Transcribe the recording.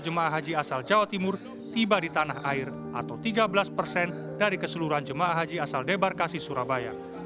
jemaah haji asal jawa timur tiba di tanah air atau tiga belas persen dari keseluruhan jemaah haji asal debarkasi surabaya